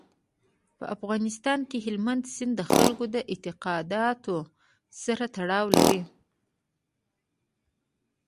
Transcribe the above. په افغانستان کې هلمند سیند د خلکو د اعتقاداتو سره تړاو لري.